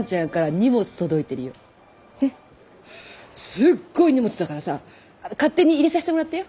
すっごい荷物だからさ勝手に入れさせてもらったよ。